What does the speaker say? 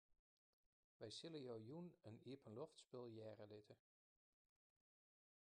Wy sille jo jûn in iepenloftspul hearre litte.